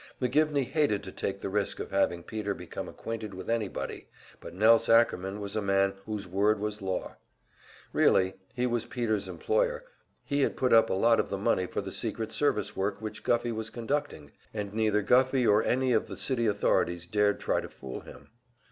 McGivney hated to take the risk of having Peter become acquainted with anybody, but Nelse Ackerman was a man whose word was law. Really, he was Peter's employer; he had put up a lot of the money for the secret service work which Guffey was conducting, and neither Guffey or any of the city authorities dared try to fool him.